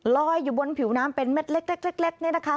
ลอยอยู่บนผิวน้ำเป็นเม็ดเล็กเนี่ยนะคะ